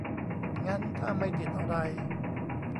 งั้นถ้าไม่ติดอะไร